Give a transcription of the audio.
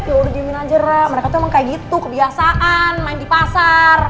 ya udah jamin aja rara mereka tuh emang kayak gitu kebiasaan main di pasar